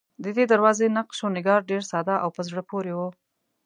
ددې دروازې نقش و نگار ډېر ساده او په زړه پورې و.